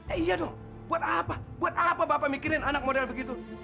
eh iya dong buat apa buat apa bapak mikirin anak model begitu